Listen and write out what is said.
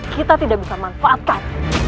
kita tidak bisa manfaatkan